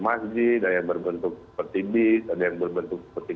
masjid ada yang berbentuk peti